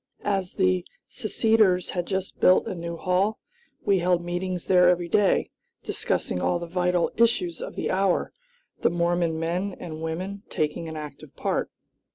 As the seceders had just built a new hall, we held meetings there every day, discussing all the vital issues of the hour; the Mormon men and women taking an active part.